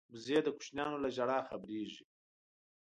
وزې د کوچنیانو له ژړا خبریږي